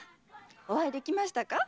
お会いできましたか？